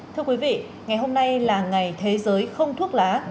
thưa quý vị ngày hôm nay là ngày thế giới không thuốc lá